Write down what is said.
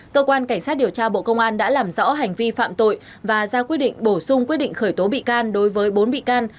cơ quan cảnh sát điều tra bộ công an đã làm rõ hành vi phạm tội và ra quyết định bổ sung quyết định khởi tố bị can đối với bốn bị can